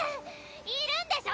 いるんでしょ。